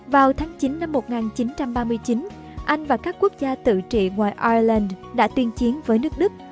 vào tháng chín năm một nghìn chín trăm ba mươi chín anh và các quốc gia tự trị ngoài ireland đã tuyên chiến với nước đức